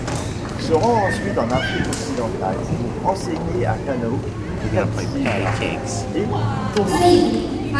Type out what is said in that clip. Il se rend ensuite en Afrique occidentale pour enseigner à Kano, Katsina et Tombouctou.